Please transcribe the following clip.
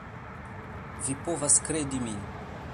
Vi povas kredi min.